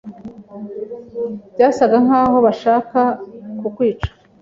Byasaga nkaho bashaka kukwica.